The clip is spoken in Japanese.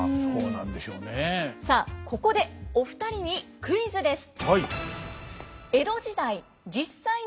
さあここでお二人にクイズです。